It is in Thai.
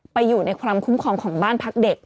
อยู่ในความคุ้มครองของบ้านพักเด็ก